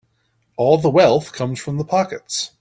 All the wealth comes from the pockets.